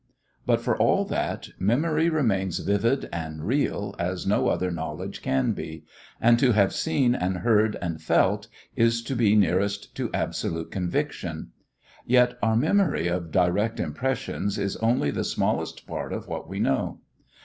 But for all that, memory remains vivid and real as no other knowledge can be, and to have seen and heard and felt is to be nearest to absolute conviction. Yet our memory of direct impressions is only the smallest part of what we know.